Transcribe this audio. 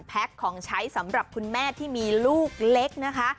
ของใช้สำหรับคุณแม่ที่มีลูกเล็กนะคะ